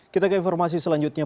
kita ke informasi selanjutnya